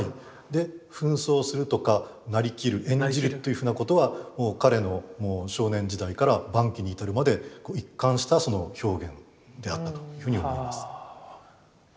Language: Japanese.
で扮装するとかなりきる演じるというふうなことはもう彼の少年時代から晩期に至るまで一貫した表現であったというふうに思います。